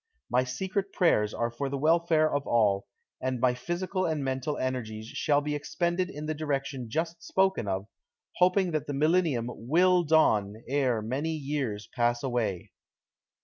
My secret prayers are for the welfare of all, and my phy sical and mental energies shall be expended in the direction just spoken of, hoping that the Millennium will dawn ere many years pass away